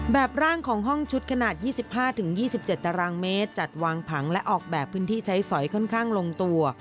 ร่างของห้องชุดขนาด๒๕๒๗ตารางเมตรจัดวางผังและออกแบบพื้นที่ใช้สอยค่อนข้างลงตัว